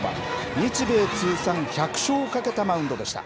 日米通算１００勝をかけたマウンドでした。